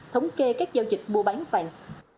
thống kê các giao dịch mua bán vàng